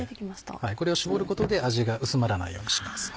これを搾ることで味が薄まらないようにします。